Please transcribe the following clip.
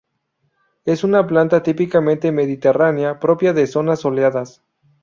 Es una planta típicamente mediterránea propia de zonas soleadas.